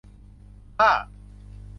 ค่า